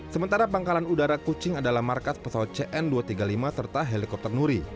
sementara pangkalan udara kucing adalah markas pesawat cn dua ratus tiga puluh lima serta helikopter nuri